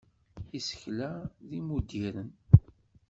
Isekla d imuddiren.